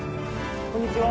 こんにちは。